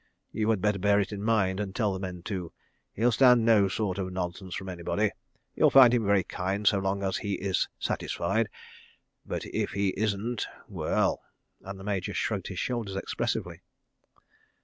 "You had better bear it in mind, and tell the men too. He'll stand no sort of nonsense from anybody. You'll find him very kind so long as he is satisfied, but if he isn't—well!" and the Major shrugged his shoulders expressively.